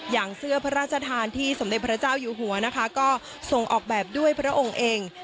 อย่างเสื้อพระราชทานที่สมเด็จพระเจ้าอยู่หัวนะคะก็ส่งออกแบบด้วยพระองค์เอง